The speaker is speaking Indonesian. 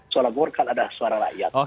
suara golkar adalah suara rakyat